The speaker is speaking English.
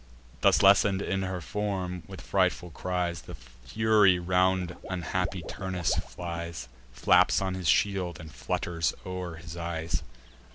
Thus lessen'd in her form, with frightful cries The Fury round unhappy Turnus flies, Flaps on his shield, and flutters o'er his eyes.